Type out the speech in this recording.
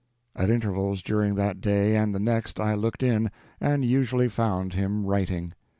At intervals during that day and the next I looked in, and usually found him writing.